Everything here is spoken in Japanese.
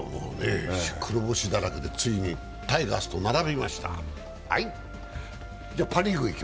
黒星だらけでついにタイガースと並びました。